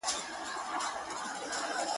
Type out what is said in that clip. هغه مي سرې سترگي زغملای نسي.